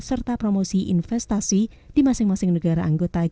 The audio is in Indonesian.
serta promosi investasi di masing masing negara anggota g dua puluh